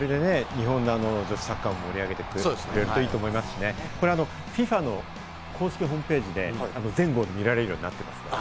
日本の女子サッカーを盛り上げてくれればいいと思いますし、ＦＩＦＡの公式ホームページで全ゴール見られるようになってますから。